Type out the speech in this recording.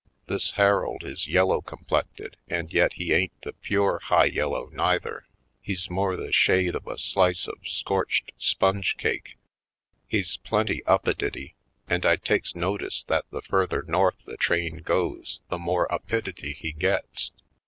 This Harold is yellow com plected and yet he ain't the pure high yel low, neither; he's more the shade of a slice of scorched sponge cake. He's plenty up pidity. And I takes notice that the further North the train goes the more uppidity he gets.